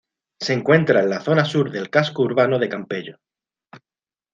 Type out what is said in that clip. Se encuentra en la zona sur del casco urbano de Campello.